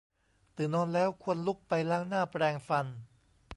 ตื่นนอนแล้ว ควรลุกไปล้างหน้าแปรงฟัน